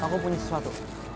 aku punya sesuatu